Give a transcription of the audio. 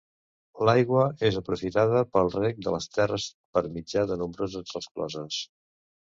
L'aigua és aprofitada pel reg de les terres per mitjà de nombroses rescloses.